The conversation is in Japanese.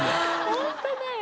ホントだよ。